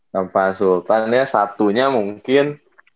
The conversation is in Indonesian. tanpa sultannya satunya mungkin